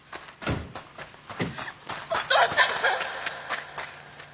お父ちゃん！